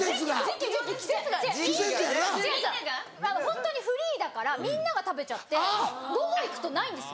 ホントにフリーだからみんなが食べちゃって午後行くとないんです。